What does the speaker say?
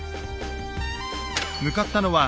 向かったのは